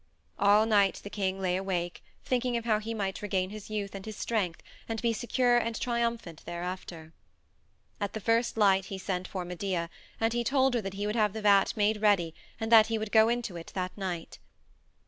All night the king lay awake, thinking of how he might regain his youth and his strength and be secure and triumphant thereafter. At the first light he sent for Medea and he told her that he would have the vat made ready and that he would go into it that night.